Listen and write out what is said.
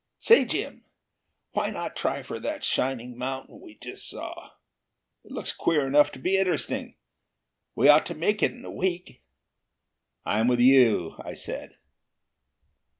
"Say, Jim, why not try for that shining mountain we saw? It looks queer enough to be interesting. We ought to make it in a week." "I'm with you," I said.